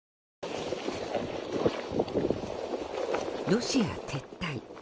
ロシア撤退。